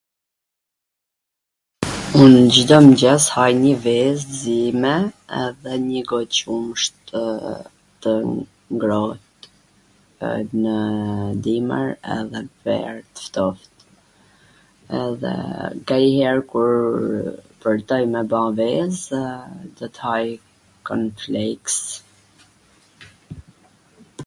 un Cdo mngjes haj njw vez t zime edhe nji got qumsht tw ngrot nw dimwr, edhe n ver t ftoft, edhe nganjwher kur pwrtoj me ba vez do t haj korn fleiks